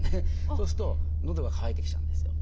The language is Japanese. そうすると喉が渇いてきちゃうんですよ。